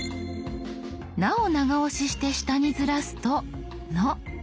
「な」を長押しして下にずらすと「の」。